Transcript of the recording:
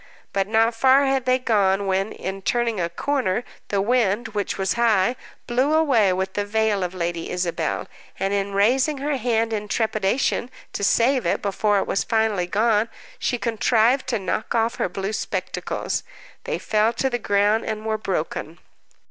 But not far had they gone when, in turning a corner, the wind, which was high, blew away with the veil of Lady Isabel, and, in raising her hand in trepidation to save it before it was finally gone, she contrived to knock off her blue spectacles. They fell to the ground, and were broken.